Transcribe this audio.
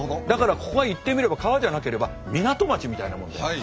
だからここが言ってみれば川じゃなければ港町みたいなもんで。